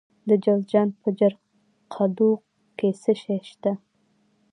د جوزجان په جرقدوق کې څه شی شته؟